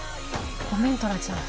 ごめん、虎ちゃん